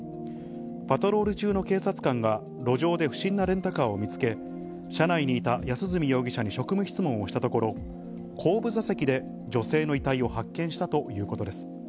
パトロール中の警察官が、路上で不審なレンタカーを見つけ、車内にいた安栖容疑者に職務質問をしたところ、後部座席で女性の遺体を発見したということです。